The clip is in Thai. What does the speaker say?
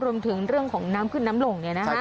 รวมถึงเรื่องของน้ำขึ้นน้ำลง